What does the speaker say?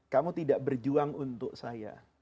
kamu tidak berjuang untuk saya